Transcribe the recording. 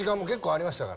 ありました。